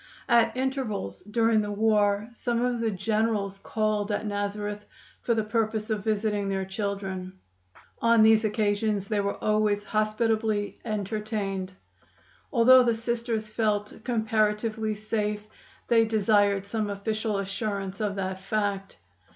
At intervals during the war some of the generals called at Nazareth for the purpose of visiting their children. On these occasions they were always hospitably entertained. Although the Sisters felt comparatively safe, they desired some official assurance of that fact.